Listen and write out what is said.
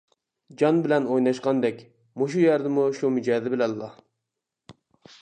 جان بىلەن ئويناشقاندەك، مۇشۇ يەردىمۇ شۇ مىجەزى بىلەنلا!